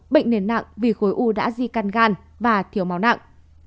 bệnh nền nặng vì khối u đã di căn gan và thiếu máu nặng